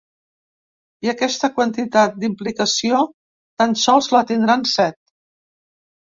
I aquesta quantitat d’implicació tan sols la tindran set.